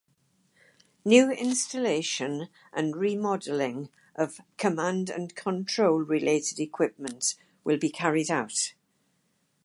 New installation and remodeling of command and control related equipment will be carried out.